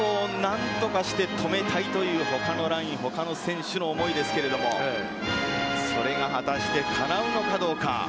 その脇本を何とかして止めたいという他のライン、他の選手の思いですけれども、それが果たして叶うのかどうか。